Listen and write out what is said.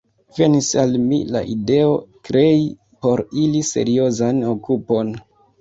Venis al mi la ideo, krei por ili seriozan okupon.